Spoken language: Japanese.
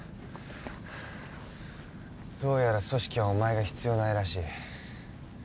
どうやら組織はお前が必要ないらしい。